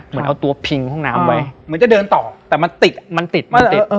เหมือนเอาตัวพิงห้องน้ำไว้เหมือนจะเดินต่อแต่มันติดมันติดมันติด